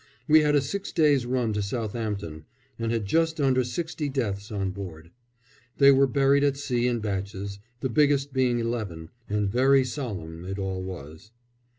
We had a six days' run to Southampton, and had just under sixty deaths on board. They were buried at sea in batches, the biggest being eleven and very solemn it all was.